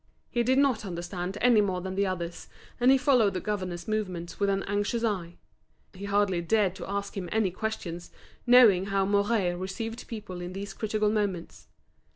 He did not understand any more than the others, and he followed the governor's movements with an anxious eye. He hardly dared to ask him any questions, knowing how Mouret received people in these critical moments.